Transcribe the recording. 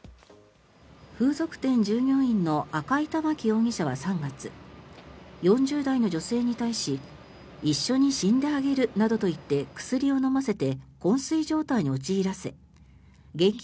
風俗店従業員の赤井環容疑者は３月４０代の女性に対し一緒に死んであげるなどと言って薬を飲ませてこん睡状態に陥らせ現金